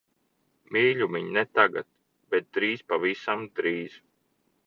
Mīļumiņ, ne tagad. Bet drīz, pavisam drīz.